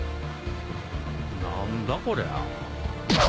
何だこりゃ？